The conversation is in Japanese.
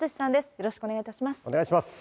よろしくお願いします。